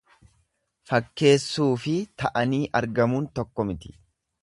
Fakkeessuufi ta'anii argamuun tokko miti.